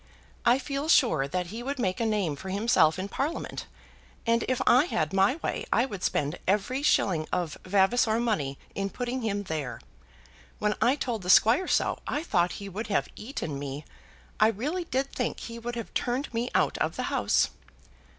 I feel sure that he would make a name for himself in Parliament; and if I had my way I would spend every shilling of Vavasor money in putting him there. When I told the squire so I thought he would have eaten me. I really did think he would have turned me out of the house."